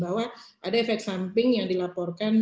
bahwa ada efek samping yang dilaporkan